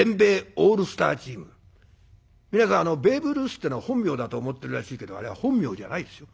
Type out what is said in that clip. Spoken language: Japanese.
皆さんベーブ・ルースっていうのは本名だと思ってるらしいけどあれは本名じゃないですよ。